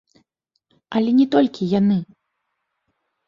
Але не толькі яны.